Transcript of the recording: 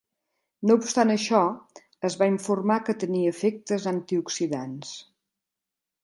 No obstant això, es va informar que tenia efectes antioxidants.